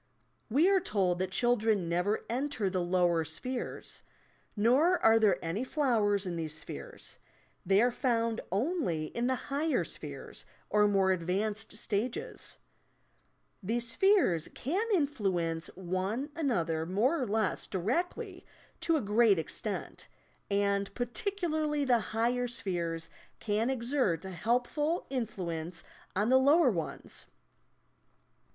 We are told that children never enter the lower spheres; nor are there any flowers in these spheres, they are found only in the higher spheres or more advanced stages. These spheres can influence one another more or less directly to a great extent, and particularly the higher spheres can exert a helpful in fluence on the lower ones.